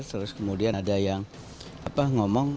terus kemudian ada yang ngomong